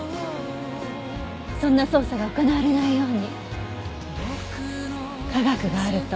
そんな捜査が行われないように科学があると私は信じてる。